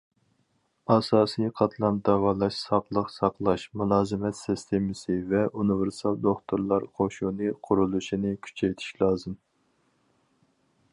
ئاساسىي قاتلام داۋالاش- ساقلىق ساقلاش مۇلازىمەت سىستېمىسى ۋە ئۇنىۋېرسال دوختۇرلار قوشۇنى قۇرۇلۇشىنى كۈچەيتىش لازىم.